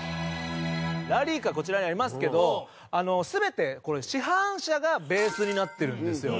ラリーカーこちらにありますけど全て、市販車がベースになってるんですよ。